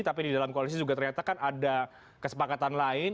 tapi di dalam koalisi juga ternyata kan ada kesepakatan lain